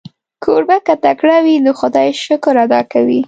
کوربه که تکړه وي، د خدای شکر ادا کوي.